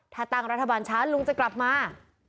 ถ้าตั้งรัฐบาลช้าลุงจะกลับมา